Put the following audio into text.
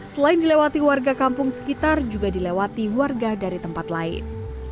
selain dilewati warga kampung sekitar juga dilewati warga dari tempat lain